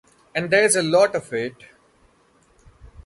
And there's a lot of it.